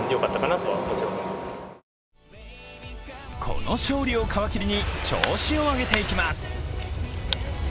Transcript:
この勝利を皮切りに調子を上げていきます。